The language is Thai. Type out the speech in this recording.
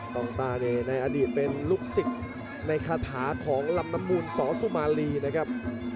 ต้องตานี่ในอดีตเป็นลูกศิษย์ในคาถาของลำน้ำมูลสอสุมารีนะครับ